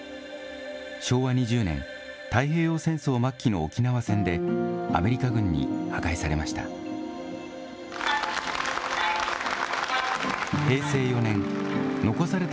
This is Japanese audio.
昭和２０年、太平洋戦争末期の沖縄戦で、アメリカ軍に破壊されました。